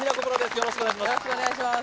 よろしくお願いします